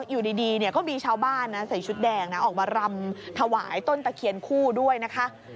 อยู่ดีก็มีชาวบ้านนะใส่ชุดแดงนะออกมารำถวายต้นตะเคียนคู่ด้วยนะคะ